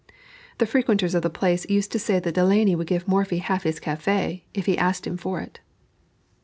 The frequenters of the place used to say that Delaunay would give Morphy half his café, if he asked him for it.